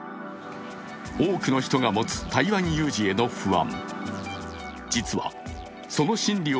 多くの人が持つ台湾有事への不安。